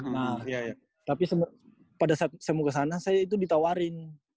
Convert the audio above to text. nah tapi pada saat saya mau kesana saya itu ditawarin